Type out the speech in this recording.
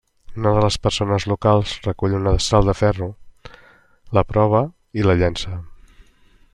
Una de les persones locals recull una destral de ferro, la prova i la llença.